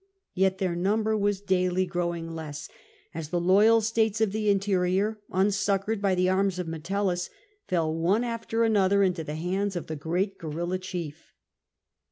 Yet their number was daily growing less, as the loyal states of the interior, unsuccoured by the arms of Metellus, fell one after another into the hands of the great guerilla chief.